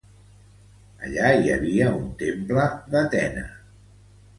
Allí hi havia un temple d'Atena.